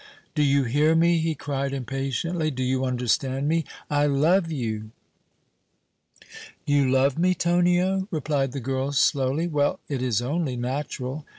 "Do you hear me?" he cried, impatiently. "Do you understand me? I love you!" "You love me, Tonio?" replied the girl, slowly. "Well, it is only natural!